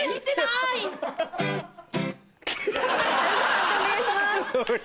判定お願いします。